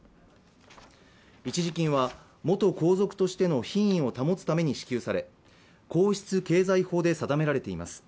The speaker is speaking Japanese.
一時金は、元皇族としての品位を保つために支給され、皇室経済法で定められています。